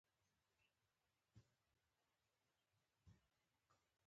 لیک لوست او ښوونه پکې وي.